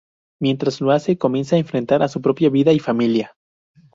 Mientras lo hace, comienza a enfrentar su propia vida y familia.